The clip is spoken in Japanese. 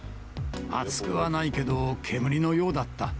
あつくはないけど、煙のようだった。